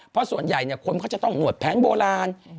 เพราะส่วนใหญ่คนเขาจะต้องหนวดแผนโบราณ